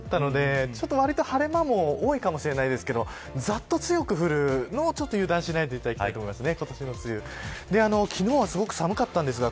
いつもとちょっと違う形だったのでわりと晴れ間も多いかもしれないですけどざっと強く降るのを油断しないでいただきたいと思います。